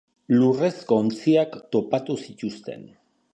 Lurrezko ontziak topatu zituzten.